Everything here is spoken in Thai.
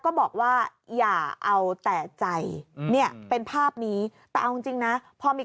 ก็บอกว่าอย่าเอาแต่ใจเนี่ยเป็นภาพนี้แต่เอาจริงจริงนะพอมี